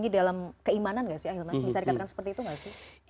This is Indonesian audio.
dalam keimanan nggak sih ahilman bisa dikatakan seperti itu nggak sih